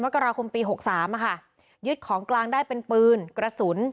มกราคมปีหกสามอะค่ะยึดของกลางได้เป็นปืนกระสุน